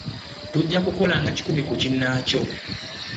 Tujja kukulaga kikumi ku kinnaakyo.